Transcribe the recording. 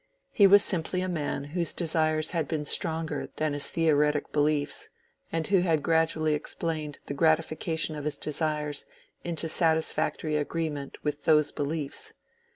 He was simply a man whose desires had been stronger than his theoretic beliefs, and who had gradually explained the gratification of his desires into satisfactory agreement with those beliefs.